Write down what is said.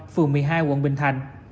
phường một mươi hai quận bình thành